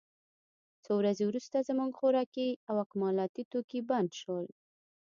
څو ورځې وروسته زموږ خوراکي او اکمالاتي توکي بند شول